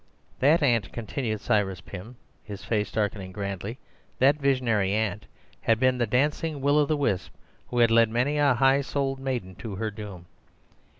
That aunt," continued Cyrus Pym, his face darkening grandly—"that visionary aunt had been the dancing will o' the wisp who had led many a high souled maiden to her doom.